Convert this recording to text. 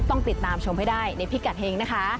ต้องติดตามชมให้ได้ในพิกัดเฮงนะคะ